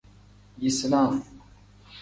Yisinaa.